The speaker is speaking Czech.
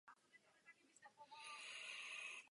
Úlohou evropské unie je tyto země podporovat a pomáhat jim.